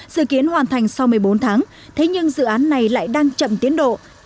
dự kiến hoàn thành sau một mươi bốn tháng thế nhưng dự án này lại đang chậm tiến độ